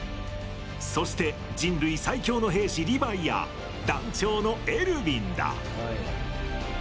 そして、人類最強の兵士リヴァイや団長のエルヴィンだ。